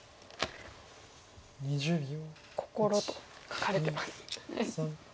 「心」と書かれてます。